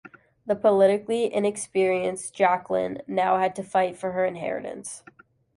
The politically inexperienced Jacqueline now had to fight for her inheritance.